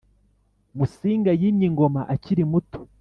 Musinga yimye ingoma akiri muto